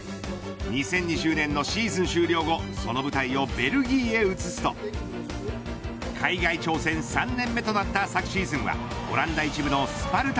２０２０年のシーズン終了後その舞台をベルギーへ移すと海外挑戦３年目となった昨シーズンはオランダ１部のスパルタ